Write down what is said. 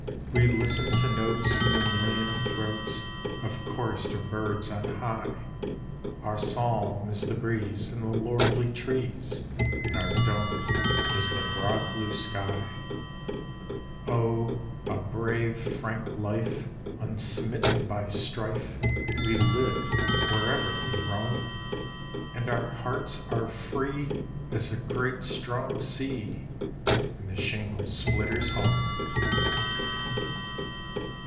We listen to notes from the million throats Of chorister birds on high, Our psalm is the breeze in the lordly trees, And our dome is the broad blue sky. Oh! a brave, frank life, unsmitten by strife, We live wherever we roam, And our hearts are free as the great strong sea, In the shingle splitter's home.